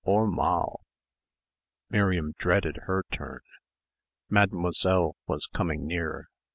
Hör mal " Miriam dreaded her turn. Mademoiselle was coming near